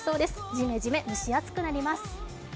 ジメジメ蒸し暑くなります。